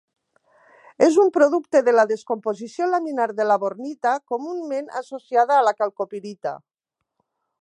És un producte de la descomposició laminar de la bornita, comunament associada a la calcopirita.